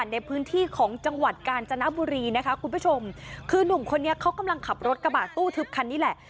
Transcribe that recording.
ในพื้นที่ของจังหวัดกาญจนบุรีนะคะคุณผู้ชมคือนุ่มคนนี้เขากำลังขับรถกระบะตู้ทึบคันนี้แหละ